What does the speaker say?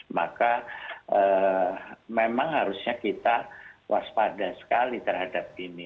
maka memang harusnya kita waspada sekali terhadap ini